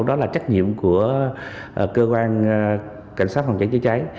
đó là trách nhiệm của cơ quan cảnh sát phòng cháy chữa cháy